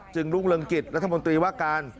จึงรุ่งเริงกริจรัฐมนตรีว่าการ